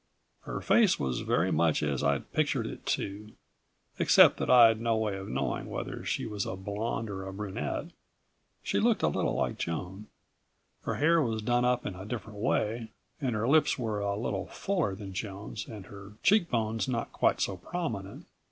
Her face was very much as I'd pictured it too, except that I'd no way of knowing whether she was a blonde or a brunette. She looked a little like Joan. Her hair was done up in a different way, and her lips were a little fuller than Joan's and her cheekbones not quite so prominent.